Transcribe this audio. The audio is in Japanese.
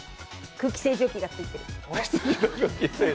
空気清浄機がついてる。